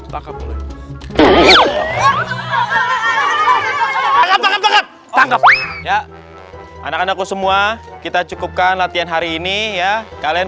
tangkap tangkap tangkap anak anak semua kita cukupkan latihan hari ini ya kalian